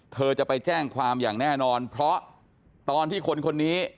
เธอจะไปแจ้งความอย่างแน่นอนเพราะตอนที่คนคนนี้